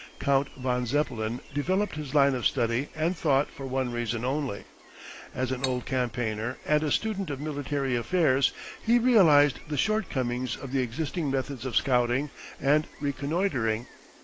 Count von Zeppelin developed his line of study and thought for one reason only. As an old campaigner and a student of military affairs he realised the shortcomings of the existing methods of scouting and reconnoitring.